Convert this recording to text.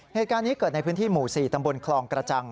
เหตุการณ์นี้เกิดในพื้นที่หมู่๔ตำบลคลองกระจัง